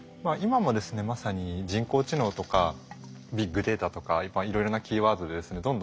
今もですねまさに人工知能とかビッグデータとかいろいろなキーワードでですね